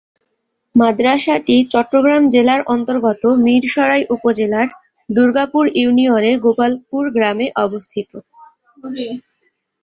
মাদ্রাসাটি চট্টগ্রাম জেলার অন্তর্গত মীরসরাই উপজেলার দুর্গাপুর ইউনিয়নের গোপালপুর গ্রামে অবস্থিত।